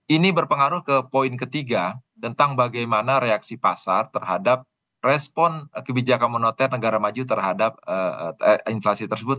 ini berpengaruh ke poin ketiga tentang bagaimana reaksi pasar terhadap respon kebijakan moneter negara maju terhadap inflasi tersebut